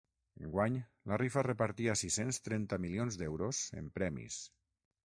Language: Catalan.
Enguany la rifa repartia sis-cents trenta milions d’euros en premis.